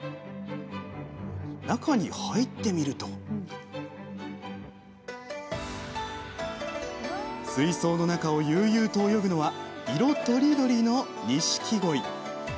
中に入ってみると水槽の中を悠々と泳ぐのは色とりどりのニシキゴイ。